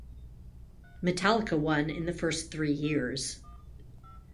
Metallica won in the first three years.